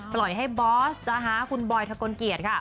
ปล่อยให้บอสฮะคุณบอยร์ธกลเกียจล่ะค่ะ